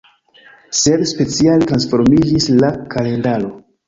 Sed speciale transformiĝis la kalendaro.